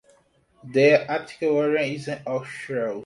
The apical area is ochreous.